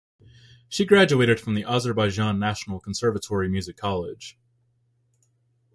She graduated from Azerbaijan National Conservatory Music College.